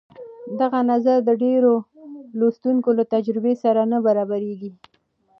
دغه نظر د ډېرو لوستونکو له تجربې سره نه برابرېږي.